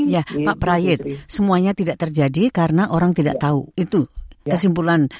ya pak prayit semuanya tidak terjadi karena orang tidak tahu itu kesimpulan